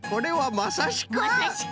まさしく！